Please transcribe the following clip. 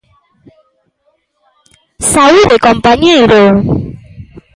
Saúde, compañeiro.